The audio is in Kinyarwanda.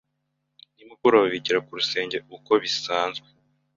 Nimugoroba bigira ku rusenge uko bisanzwe.